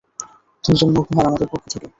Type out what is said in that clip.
তোর জন্য উপহার আমাদের পক্ষ থেকে।